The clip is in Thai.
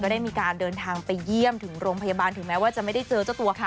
ได้มีการเดินทางไปเยี่ยมถึงโรงพยาบาลถึงแม้ว่าจะไม่ได้เจอเจ้าตัวค่ะ